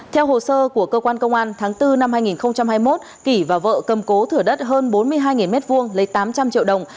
theo hồ sơ của cơ quan công an tháng bốn năm hai nghìn hai mươi một kỷ và vợ cầm cố thửa đất hơn bốn mươi hai m hai lấy tám trăm linh triệu đồng